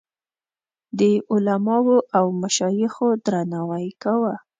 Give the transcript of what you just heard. د علماوو او مشایخو درناوی کاوه.